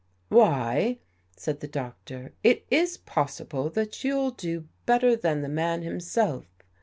" Why," said the Doctor, " it is possible that you'll do better than the man himself.